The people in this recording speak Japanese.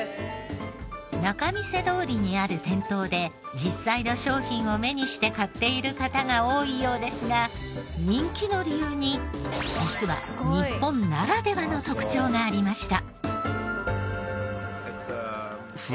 仲見世通りにある店頭で実際の商品を目にして買っている方が多いようですが人気の理由に実は日本ならではの特徴がありました。